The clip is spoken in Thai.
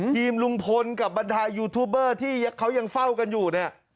ทีมลุงพลกับบรรดายูทูบเบอร์ที่เขายังเฝ้ากันอยู่เนี่ย